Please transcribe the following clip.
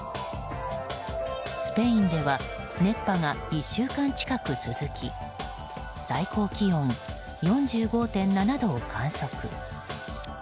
スペインでは熱波が１週間近く続き最高気温４５．７度を観測。